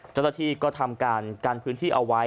จตทีก็ทำการกันพื้นที่เอาไว้